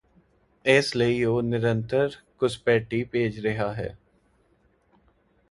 ਇਸ ਲਈ ਉਹ ਨਿਰੰਤਰ ਘੁਸਪੈਠੀ ਭੇਜ ਰਿਹਾ ਹੈ